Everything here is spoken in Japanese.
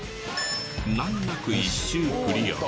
難なく１周クリア。